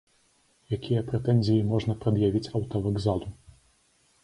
Якія прэтэнзіі можна прад'явіць аўтавакзалу?